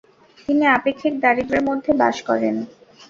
তিনি আপেক্ষিক দারিদ্র্যের মধ্যে বাস করেন।